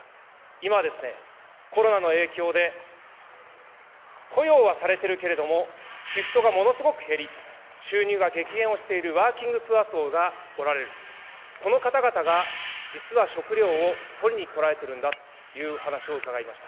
今ですね、コロナの影響で雇用はされているけれども、シフトがものすごく減り、収入が激減をしているワーキングプア層がおられる、この方々が実は食料を取りに来られてるんだというお話を伺いました。